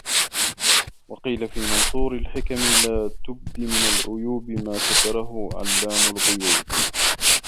وَقِيلَ فِي مَنْثُورِ الْحِكَمِ لَا تُبْدِ مِنْ الْعُيُوبِ مَا سَتَرَهُ عَلَّامُ الْغُيُوبِ